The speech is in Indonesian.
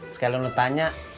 sekali lu tanya